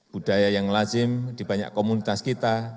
budaya yang lazim di banyak komunitas kita